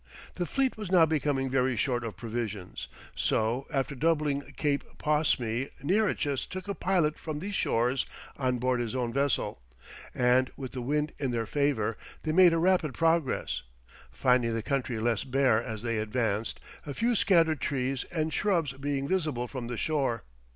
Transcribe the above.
The fleet was now becoming very short of provisions; so after doubling Cape Posmi Nearchus took a pilot from those shores on board his own vessel, and with the wind in their favour they made rapid progress, finding the country less bare as they advanced, a few scattered trees and shrubs being visible from the shore.